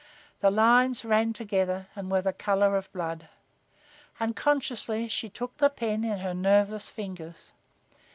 The lines ran together and were the color of blood. Unconsciously she took the pen in her nerveless fingers.